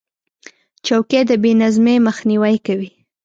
چوکۍ د بې نظمۍ مخنیوی کوي.